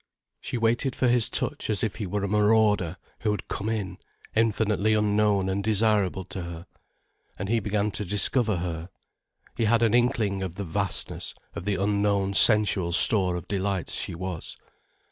She waited for his touch as if he were a marauder who had come in, infinitely unknown and desirable to her. And he began to discover her. He had an inkling of the vastness of the unknown sensual store of delights she was.